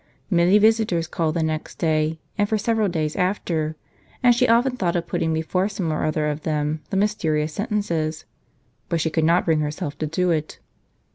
Many visitors called the next day, and for several days after, and she often thought of putting before some or other of them the mysterious sentences, but she could not bring herself to do it.